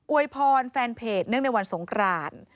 วยพรแฟนเพจเนื่องในวันสงคราน